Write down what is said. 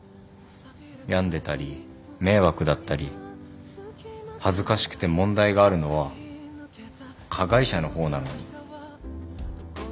病んでたり迷惑だったり恥ずかしくて問題があるのは加害者の方なのに。